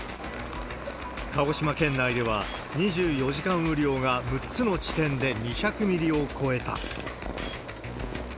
鹿児島県内では２４時間雨量が６つの地点で２００ミリを超えた。